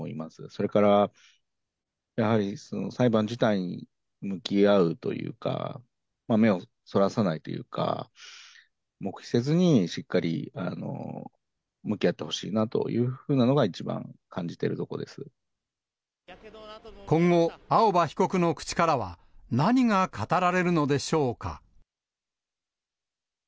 それから、やはり裁判自体に向き合うというか、目をそらさないというか、黙秘せずにしっかり向き合ってほしいなというふうなのが、一番感今後、青葉被告の口からは何が語られるのでしょうか。